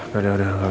tidak tidak perlu